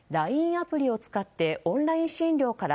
アプリを使ってオンライン診療から